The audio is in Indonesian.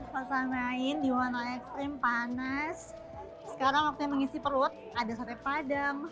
pasang main diwono extreme panas sekarang waktunya mengisi perut ada sate padang